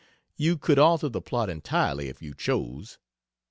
You could alter the plot entirely, if you chose.